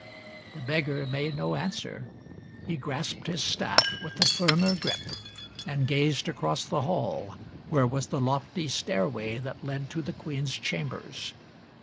" The beggar made no answer. He grasped his staff with a firmer grip and gazed across the hall where was the lofty stairway that led to the queen's chambers.